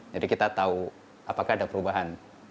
jadi kita tahu apakah ada perubahan